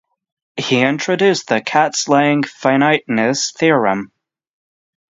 He introduced the Katz-Lang finiteness theorem.